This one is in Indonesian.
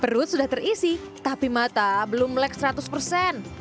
perut sudah terisi tapi mata belum melek seratus persen